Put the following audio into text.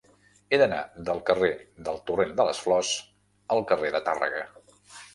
He d'anar del carrer del Torrent de les Flors al carrer de Tàrrega.